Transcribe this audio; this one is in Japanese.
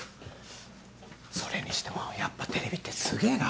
それにしてもやっぱテレビってスゲェな。